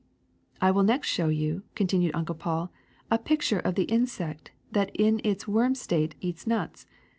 '' *^I will next show you,'^ continued Uncle Paul, ^^a picture of the insect that in its worm state eats nuts.